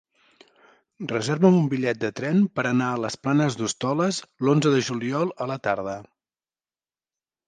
Reserva'm un bitllet de tren per anar a les Planes d'Hostoles l'onze de juliol a la tarda.